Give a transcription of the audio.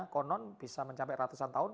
konon bisa mencapai ratusan tahun